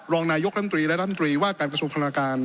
รองนายกรัฐมนตรีและรัฐมนตรีว่าการกระทรวงพลังการ